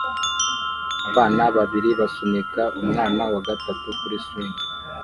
Abana babiri basunika umwana wa gatatu kuri swing